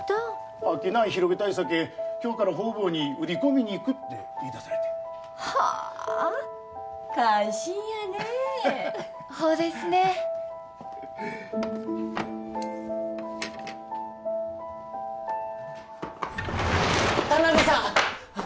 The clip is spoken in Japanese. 商い広げたいさけ今日から方々に売り込みに行くって言い出されてはあ感心やねえほうですね田辺さん！